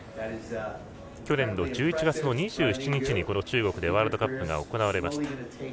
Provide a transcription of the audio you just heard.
去年の１１月２７日に中国でワールドカップが行われました。